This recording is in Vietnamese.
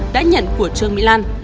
đã nhận của trương mỹ lan